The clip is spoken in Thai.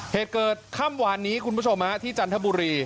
เหตุเกิดค่ำวานนี้คุณผู้ชมที่จันทบุรี